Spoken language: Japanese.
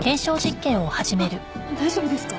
あっ大丈夫ですか？